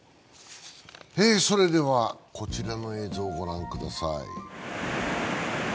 それではこちらの映像、ご覧ください。